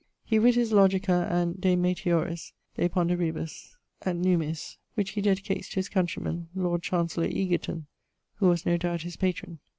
He writ his Logica, and ..., de meteoris, de ponderibus et nummis (which he dedicates to his countryman, Lord Chancellor Egerton, who was no doubt his patron).